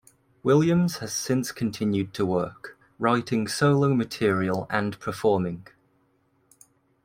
Williams has since continued to work, writing solo material and performing.